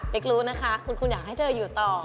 รู้นะคะคุณอยากให้เธออยู่ต่อ